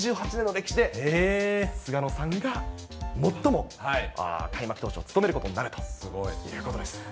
８８年の歴史で菅野さんが、最も開幕投手を務めることになるということです。